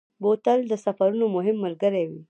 بوتل د سفرونو مهم ملګری وي.